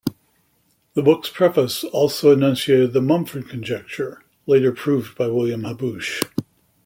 The book's Preface also enunciated the Mumford conjecture, later proved by William Haboush.